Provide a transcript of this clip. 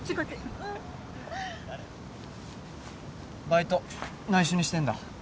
バイト内緒にしてんだ？